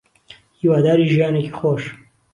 هیواداری ژیانێکی خۆش